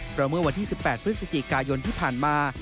เพราะเมื่อวันที่๑๘พฤศจิกายนที่ผ่านมา